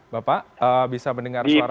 bapak bisa mendengar suara